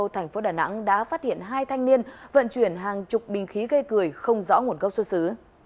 thành phố đà nẵng đã phát hiện hai thanh niên vận chuyển hàng chục bình khí gây cười không rõ nguồn gốc xuất xứ